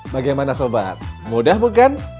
bagaimana sobat mudah bukan